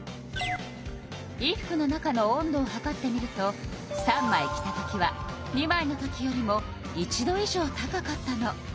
衣服の中の温度をはかってみると３枚着たときは２枚のときよりも１度以上高かったの。